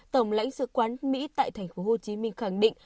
tổng lãnh sự quán mỹ tại thành phố hồ chí minh khẳng định